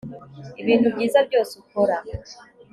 ibintu byiza byose ukora